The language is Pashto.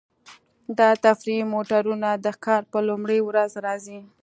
دا تفریحي موټرونه د ښکار په لومړۍ ورځ راځي